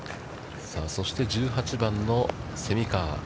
そして、１８番の蝉川。